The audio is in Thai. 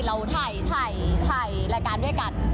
เราถ่ายถ่ายถ่ายรายการด้วยกัน